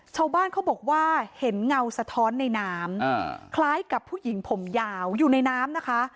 ชาวบ้านเขาบอกว่าเห็นเงาสะท้อนในน้ำคล้ายกับผู้หญิงผมยาวอยู่ในน้ำนะคะ